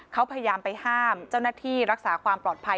เขาพยายามไปห้ามเจ้าหน้าที่รักษาความปลอดภัย